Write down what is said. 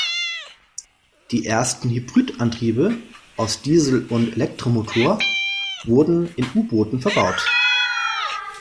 Die ersten Hybridantriebe aus Diesel- und Elektromotor wurden in U-Booten verbaut.